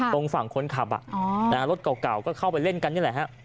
ตรงฝั่งคนขับรถเก่าก็เข้าไปเล่นกันนี่แหละฮะ